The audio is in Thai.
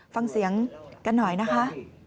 ฟังเสียงกันหน่อยนะคะ